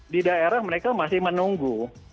di daerah mereka masih menunggu